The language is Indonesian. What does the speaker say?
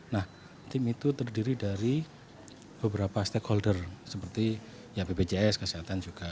nah tim itu terdiri dari beberapa stakeholder seperti bpjs kesehatan juga